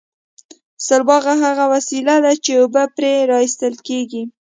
سلواغه هغه وسیله ده چې اوبه پرې را ایستل کیږي